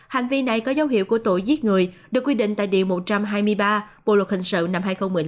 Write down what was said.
hành vi này có dấu hiệu của tội giết người được quy định tại điều một trăm hai mươi ba bộ luật hình sự năm hai nghìn một mươi năm